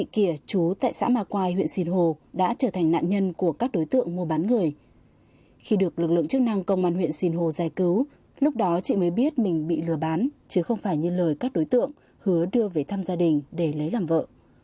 khi được lực lượng chức năng công an huyện sinh hồ giải cứu lúc đó chị mới biết mình bị lừa bán chứ không phải như lời các đối tượng hứa đưa về thăm gia đình để lấy làm vợ